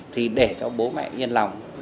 thì để cho bố mẹ yên lòng